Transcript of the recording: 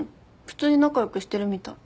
普通に仲良くしてるみたい。